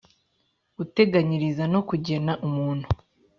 guteganyiriza no kugenera umuntu